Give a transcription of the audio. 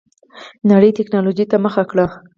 نړۍ ټيکنالوجۍ ته مخه کړه.